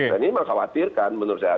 dan ini mengkhawatirkan menurut saya